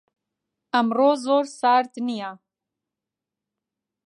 ئەمڕۆ زۆر سارد نییە.